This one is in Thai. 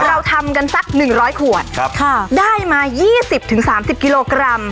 เราทำกันสักหนึ่งร้อยขวดครับค่ะได้มายี่สิบถึงสามสิบกิโลกรัม